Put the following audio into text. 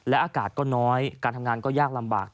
อากาศก็น้อยการทำงานก็ยากลำบาก